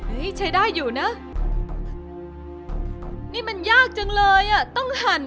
ใช้ได้อยู่นะนี่มันยากจังเลยอ่ะต้องหั่น